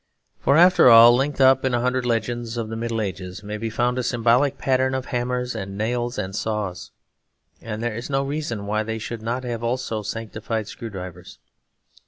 For, after all, linked up in a hundred legends of the Middle Ages, may be found a symbolic pattern of hammers and nails and saws; and there is no reason why they should not have also sanctified screw drivers.